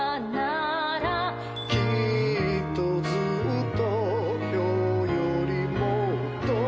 「きっとずっと今日よりもっと」